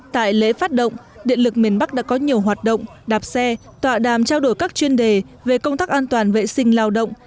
tại lễ phát động điện lực miền bắc đã có nhiều hoạt động đạp xe tọa đàm trao đổi các chuyên đề về công tác an toàn vệ sinh lao động